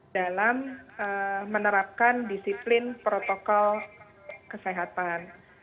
dalam menerapkan disiplin protokol kesehatan